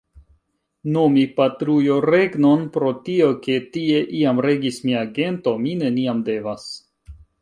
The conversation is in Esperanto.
Nomi patrujo regnon pro tio, ke tie iam regis mia gento, mi neniam devas.